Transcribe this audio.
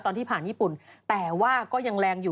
ตอนที่ผ่านญี่ปุ่นแต่ว่าก็ยังแรงอยู่